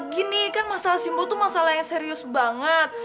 gini kan masalah simpo tuh masalah yang serius banget